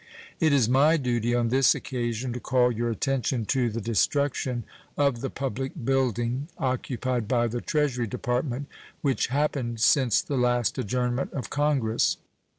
It is my duty on this occasion to call your attention to the destruction of the public building occupied by the Treasury Department, which happened since the last adjournment of Congress.